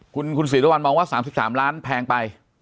คุณศรีรวรรณมองว่า๓๓ล้านแพงไป